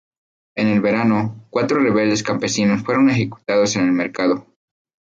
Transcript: En el verano, cuatro rebeldes campesinos fueron ejecutados en el mercado.